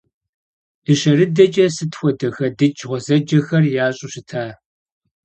Дыщэрыдэкӏэ сыт хуэдэ хэдыкӏ гъуэзэджэхэр ящӏу щыта!